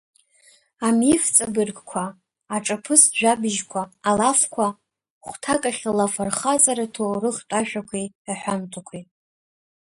Амиф-ҵабыргқәа, аҿаԥыцтә жәабжьқәа, алафқәа, хәҭакахьала афырхаҵара-ҭоурыхтә ашәақәеи аҳәамҭақәеи.